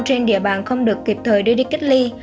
trên địa bàn không được kịp thời đưa đi cách ly